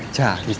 trả thì trả